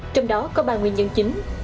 trong đó có ba nguyên nhân chính